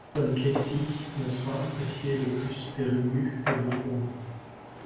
Joe Casey notera apprécier le plus Pere Ubu et the Fall.